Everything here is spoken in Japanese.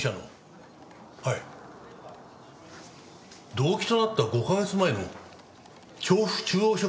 動機となった５カ月前の調布中央署